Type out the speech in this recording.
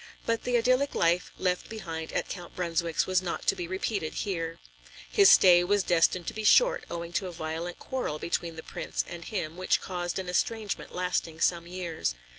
But the idyllic life left behind at Count Brunswick's was not to be repeated here. His stay was destined to be short owing to a violent quarrel between the Prince and him, which caused an estrangement lasting some years.